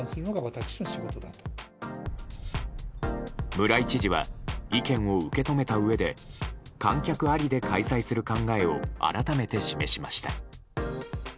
村井知事は意見を受け止めたうえで観客ありで開催する考えを改めて示しました。